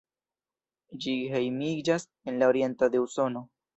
Ĝi hejmiĝas en la oriento de Usono.